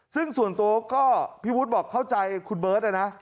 ซึ่งส่วนตัวก็พี่วุฒิบอกเข้าใจคุณเบิร์ตนะ